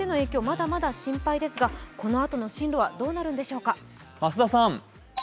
まだまだ心配ですがこのあとの進路はどうなるんでしょうか。